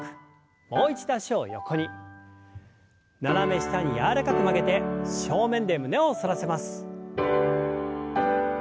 斜め下に柔らかく曲げて正面で胸を反らせます。